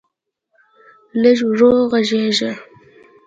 لږ ورو غږېږه.